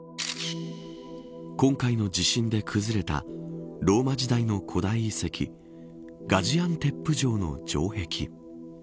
今回の地震で崩れたローマ時代の古代遺跡ガジアンテップ城の城壁。